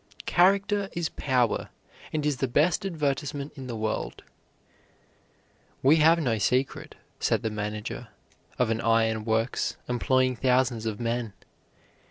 Character is power, and is the best advertisement in the world. "We have no secret," said the manager of an iron works employing thousands of men.